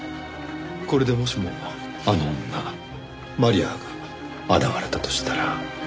これでもしもあの女マリアが現れたとしたら。